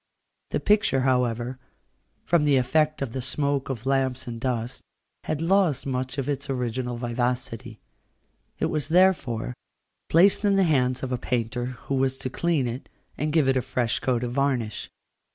The picture, however, from the effect of the smoke of lamps and dust, had lost much of its original vivacity. It was, therefore, placed in the hands of a painter, who was to clean it, and give it a fresh coat of varnish.